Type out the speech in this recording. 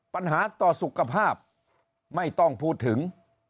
ปัญหาต่อสุขภาพไม่ต้องพูดถึง